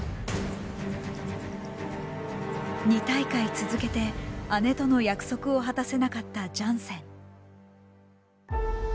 ２大会続けて姉との約束を果たせなかったジャンセン。